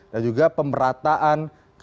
dan juga pemerataan